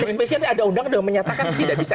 spesialis ada undang yang menyatakan tidak bisa sp tiga